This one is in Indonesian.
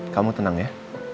kamu tenang ya